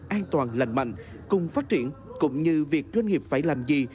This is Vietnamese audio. an toàn lành mạnh cùng phát triển cũng như việc doanh nghiệp phải làm gì